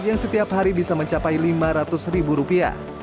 yang setiap hari bisa mencapai lima ratus ribu rupiah